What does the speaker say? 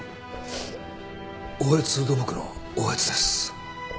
大悦土木の大悦です。